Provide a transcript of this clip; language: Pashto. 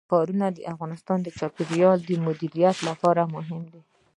ښارونه د افغانستان د چاپیریال د مدیریت لپاره مهم دي.